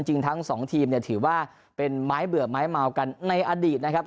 จริงทั้งสองทีมเนี่ยถือว่าเป็นไม้เบื่อไม้เมากันในอดีตนะครับ